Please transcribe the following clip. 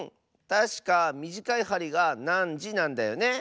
たしかみじかいはりが「なんじ」なんだよね。